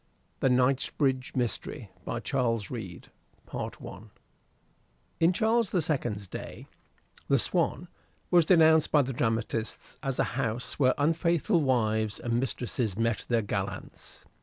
THE KNIGHTSBRIDGE MYSTERY By CHARLES READE I In Charles the Second's day the "Swan" was denounced by the dramatists as a house where unfaithful wives and mistresses met their gallants.